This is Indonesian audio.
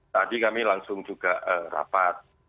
tadi kami langsung juga rapat